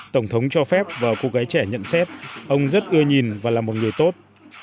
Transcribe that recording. tổng thống cho phép và cô gái trẻ nhận xét ông rất ưa nhìn và là một người tốt